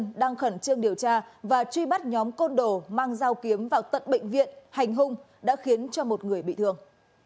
trong khẩn trương điều tra và truy bắt nhóm côn đồ mang dao kiếm vào tận bệnh viện hành hung đã khiến cho một người bị thương